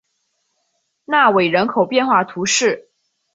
纳韦人口变化图示